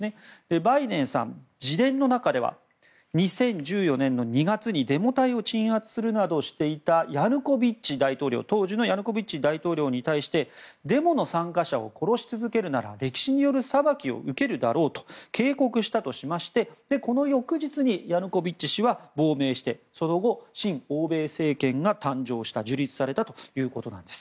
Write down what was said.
バイデンさん、自伝の中では２０１４年の２月にデモ隊を鎮圧するなどしていた当時のヤヌコビッチ大統領に対してデモの参加者を殺し続けるなら歴史による裁きを受けるだろうと警告したとしましてこの翌日にヤヌコビッチ氏は亡命してその後、親欧米政権が樹立されたということです。